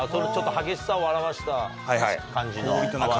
激しさを表した感じの。